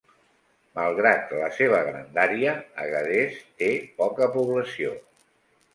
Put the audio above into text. Malgrat la seva grandària, Agadez té poca població.